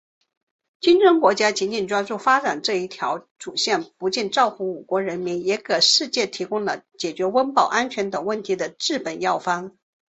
金砖国家紧紧抓住发展这条主线，不仅造福五国人民，也给世界提供了解决温饱、安全等问题的治本药方。